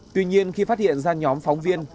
tuy nhiên khi phát hiện ra nhóm phóng viên